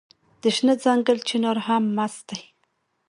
د شنه ځنګل چنار هم مست دی